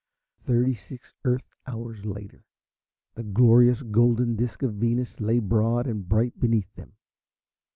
Thirty six Earth hours later the glorious golden disc of Venus lay broad and bright beneath them.